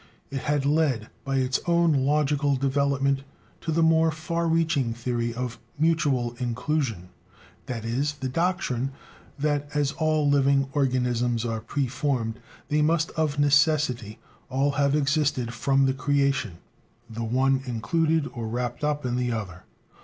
It had led, by its own logical development, to the more far reaching theory of "mutual inclusion" that is, the doctrine that, as all living organisms are pre formed, they must of necessity all have existed from the Creation, the one included, or wrapped up, in the other.